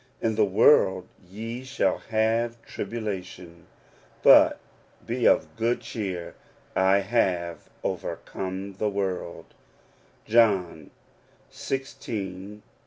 In the world ye shall have tribulation but be of good cheer; I have overcome the world' (John xvi.